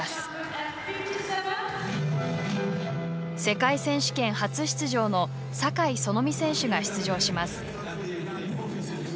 世界選手権初出場の酒井園実選手が出場します。